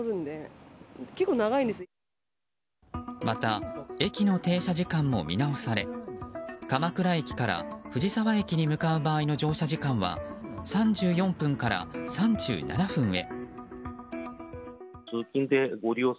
また、駅の停車時間も見直され鎌倉駅から藤沢駅に向かう場合の乗車時間は３４分から３７分へ。